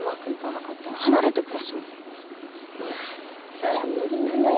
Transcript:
そりゃ無理なのよ